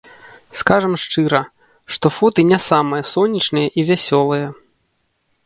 Скажам шчыра, што фоты не самыя сонечныя і вясёлыя.